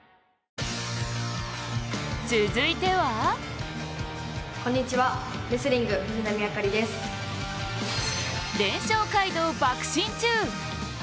続いては連勝街道ばく進中。